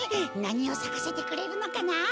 なにをさかせてくれるのかな？